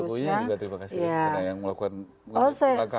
pak jokowi juga terima kasih karena yang melakukan langkah langkah